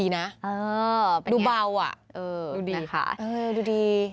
เออเป็นอย่างไรดูเบาอะดูดีนะคะดูดี